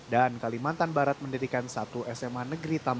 dan kalimantan barat menambah tujuh smp negeri baru